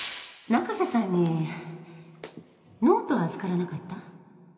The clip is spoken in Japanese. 中瀬さんにノート預からなかった？